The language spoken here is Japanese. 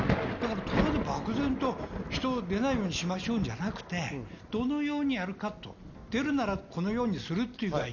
ただ漠然と人は出ないようにしましょうじゃなくて、どのようにやるか、出るならこのようにする。